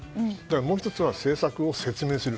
もう１つは政策を説明する。